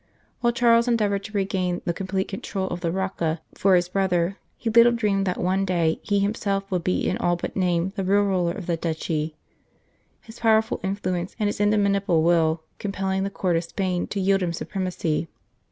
While Charles endeavoured to regain the com plete control of the Rocca for his brother, he little dreamed that one day he himself would be in all but name the real ruler of the duchy, his power ful influence and his indomitable will compelling the Court of Spain to yield him supremacy.